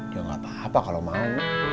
ya nggak apa apa kalau mau